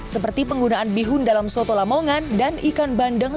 seperti penggunaan bihun dalam soto lamongan dan ikan bandeng